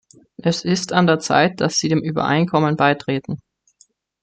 Es ist an der Zeit, dass sie dem Übereinkommen beitreten.